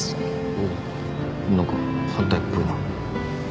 おお何か反対っぽいな。